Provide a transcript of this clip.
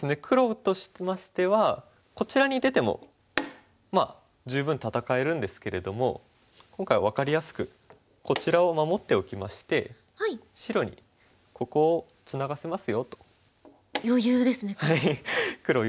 黒としましてはこちらに出てもまあ十分戦えるんですけれども今回分かりやすくこちらを守っておきまして白に「ここをツナがせますよ」と。余裕ですね黒。